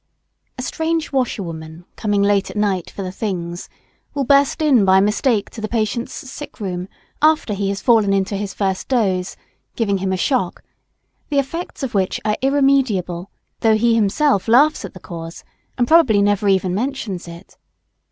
] A strange washerwoman, coming late at night for the "things," will burst in by mistake to the patient's sickroom, after he has fallen into his first doze, giving him a shock, the effects of which are irremediable, though he himself laughs at the cause, and probably never even mentions it.